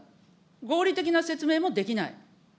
合理的な説明もできない。